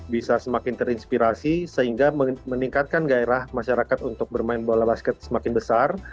bisa semakin terinspirasi sehingga meningkatkan gairah masyarakat untuk bermain bola basket semakin besar